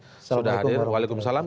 assalamualaikum warahmatullahi wabarakatuh